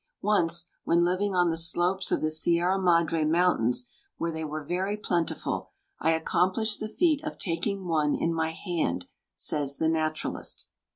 "Once, when living on the slopes of the Sierra Madre mountains, where they were very plentiful, I accomplished the feat of taking one in my hand," says the naturalist.